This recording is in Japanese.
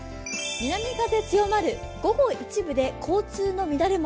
南風強まる、午後一部で交通の乱れも。